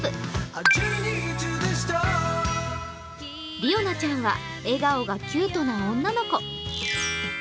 リオナちゃんは笑顔がキュートな女の子。